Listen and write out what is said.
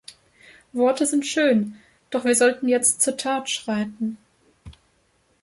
Worte sind schön, doch wir sollten jetzt zur Tat schreiten.